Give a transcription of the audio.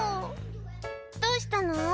「どうしたの？